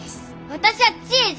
私は千恵じゃ。